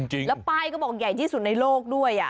จริงแล้วป้ายก็บอกใหญ่ที่สุดในโลกด้วย